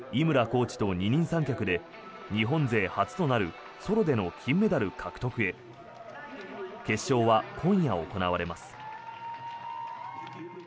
コーチと二人三脚で日本勢初となるソロでの金メダル獲得へ向け決勝は今夜行われます。